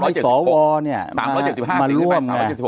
ให้สวมาร่วม